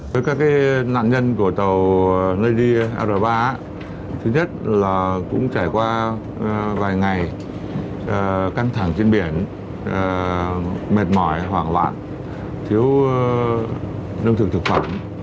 với các nạn nhân của tàu nady r ba thứ nhất là cũng trải qua vài ngày căng thẳng trên biển mệt mỏi hoảng loạn thiếu lương thực thực phẩm